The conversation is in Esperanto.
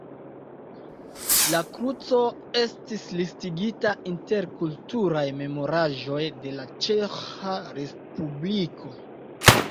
La kruco estis listigita inter kulturaj memoraĵoj de la Ĉeĥa respubliko.